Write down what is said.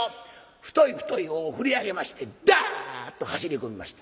太い太い尾を振り上げましてダッと走り込みました。